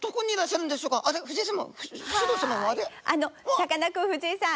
さかなクン藤井さん